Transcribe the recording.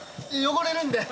汚れるんで。